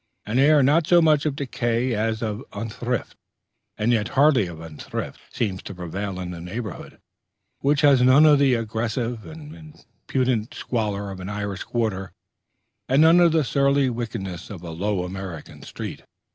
An air not so much of decay as of unthrift, and yet hardly of unthrift, seems to prevail in the neighborhood, which has none of the aggressive and impudent squalor of an Irish quarter, and none of the surly wickedness of a low American street.